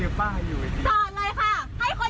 ลงไปเลยมึงลงไปเลย